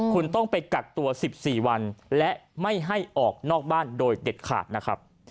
คุณต้องไปกักตัว๑๔วันและไม่ให้ออกนอกบ้านโดยเด็ดขาดนะครับ